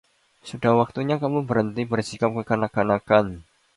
Sudah waktunya kamu berhenti bersikap kekanak-kanakan.